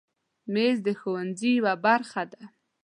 مېز د ښوونځي یوه برخه ده.